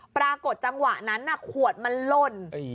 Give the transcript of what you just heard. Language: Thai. ปรากฏจังหวะนั้นขวดมันหล่น